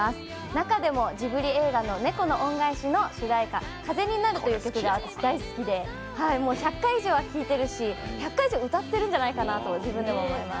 中でもジブリ映画の「猫の恩返し」の主題歌、「風になる」という曲が私、大好きで、１００回以上は聴いてるし、１００回以上歌ってるんじゃないかと自分では思います。